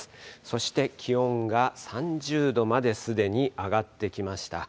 そして気温が３０度まですでに上がってきました。